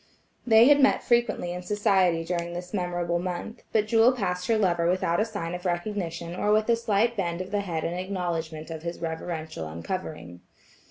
They had met frequently in society during this memorable month, but Jewel passed her lover without a sign of recognition or with a slight bend of the head in acknowledgment of his reverential uncovering.